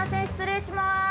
失礼します。